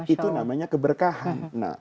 itu namanya keberkahan